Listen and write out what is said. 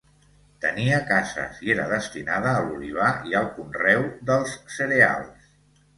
Tenia cases i era destinada a l'olivar i al conreu dels cereals.